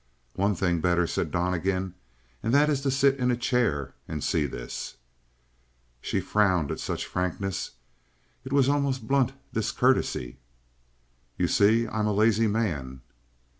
"One thing better," said Donnegan, "and that is to sit in a chair and see this." She frowned at such frankness; it was almost blunt discourtesy. "You see, I'm a lazy man."